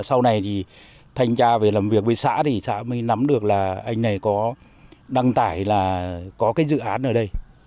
sau này thì thanh tra về làm việc với xã thì xã mới nắm được là anh này có đăng tải là có cái dự án ở đây